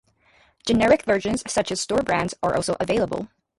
Generic versions, such as store brands, are also available.